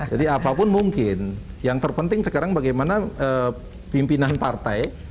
jadi apapun mungkin yang terpenting sekarang bagaimana pimpinan partai